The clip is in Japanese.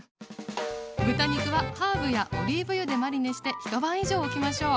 豚肉はハーブやオリーブ油でマリネして一晩以上おきましょう。